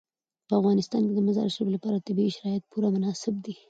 په افغانستان کې د مزارشریف لپاره طبیعي شرایط پوره مناسب دي.